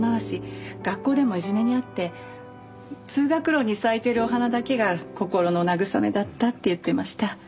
学校でもいじめに遭って通学路に咲いてるお花だけが心の慰めだったって言ってました。